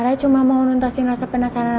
ra cuma mau nuntasin rasa penasaran